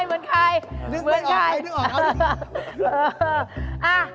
ลืมได้ออก